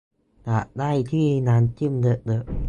อยากได้ที่น้ำจิ้มเยอะเยอะ